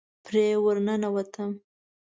پرې ورننوتم.